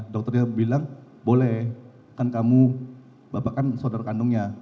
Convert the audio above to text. dokternya bilang boleh kan kamu bapak kan saudara kandungnya